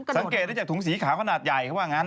สังเกตได้จากถุงสีขาขนาดใหญ่